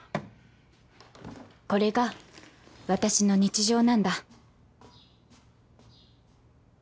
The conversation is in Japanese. これが私の日常なんだ